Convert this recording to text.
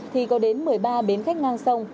thì có đến một mươi ba bến khách ngang sông